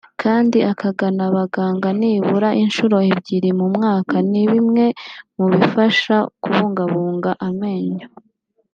kandi ukagana abaganga nibura inshuro ebyiri mu mwaka ni bimwe mu bifasha kubungabunga amenyo